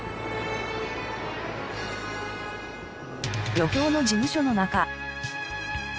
漁協の事務所の中。